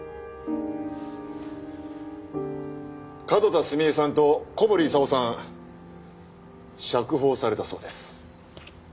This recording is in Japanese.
角田澄江さんと小堀功さん釈放されたそうです。